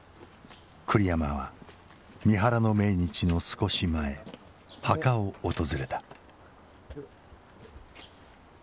栗山は三原の命日の少し前墓を訪れた。